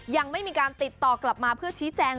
ยังไม่มีการติดต่อกลับมาเพื่อชี้แจง